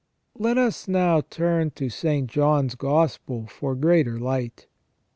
Let us now turn to St. John's Gospel for greater light.